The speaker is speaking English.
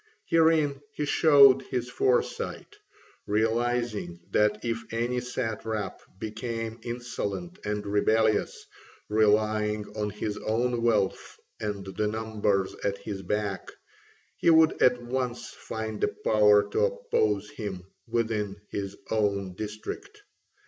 Herein he showed his foresight, realising that if any satrap became insolent and rebellious, relying on his own wealth and the numbers at his back, he would at once find a power to oppose him within his own district.